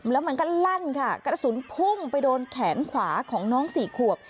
แล้วมันก็ลั่นค่ะกระสุนพุ่งไปโดนแขนขวาของน้องสี่ขวบ